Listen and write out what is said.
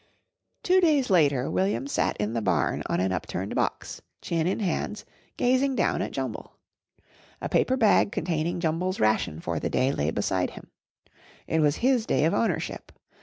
Two days later William sat in the barn on an upturned box, chin in hands, gazing down at Jumble. A paper bag containing Jumble's ration for the day lay beside him. It was his day of ownership.